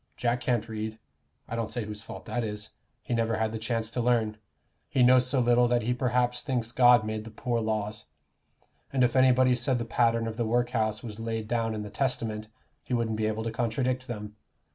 Jack can't read I don't say whose fault that is he never had the chance to learn; he knows so little that he perhaps thinks God made the poor laws, and if anybody said the pattern of the work house was laid down in the Testament, he wouldn't be able to contradict them.